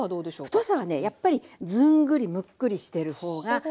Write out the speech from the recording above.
太さはねやっぱりずんぐりむっくりしてるほうがおいしい。